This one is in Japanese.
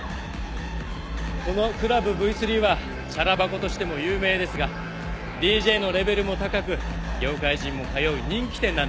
このクラブＶ３はチャラ箱としても有名ですがＤＪのレベルも高く業界人も通う人気店なんです。